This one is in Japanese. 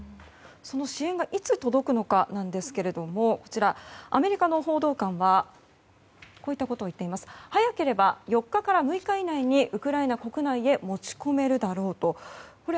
その支援がいつ届くのかですがアメリカの報道官は早ければ４日から６日以内にウクライナ国内へ持ち込めるだろうと言っています。